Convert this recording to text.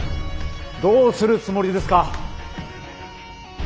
どうするつもりですか！？